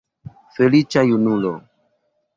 Feliĉa junulo!